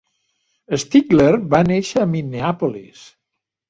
Stigler va néixer a Minneapolis.